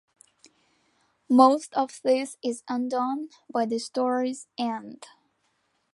Most of this is undone by the story's end.